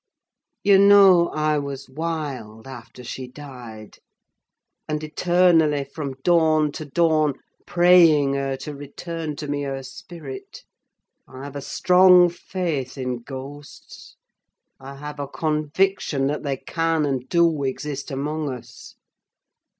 You know I was wild after she died; and eternally, from dawn to dawn, praying her to return to me her spirit! I have a strong faith in ghosts: I have a conviction that they can, and do, exist among us!